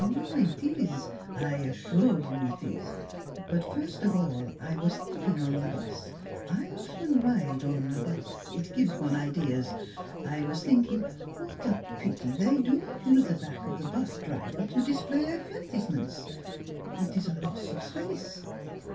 "It is I assure you it is. But, first of all, I was thinking on the 'bus I often ride on the 'bus, it gives one ideas I was thinking what a pity they do not use the back of the 'bus driver to display advertisements. It is a loss of space.